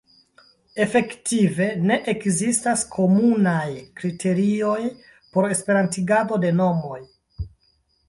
Efektive ne ekzistas komunaj kriterioj por esperantigado de nomoj.